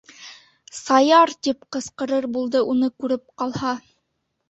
Саяр! - тип ҡысҡырыр булды уны күреп ҡалһа.